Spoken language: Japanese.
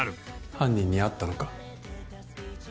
犯人に会ったのか？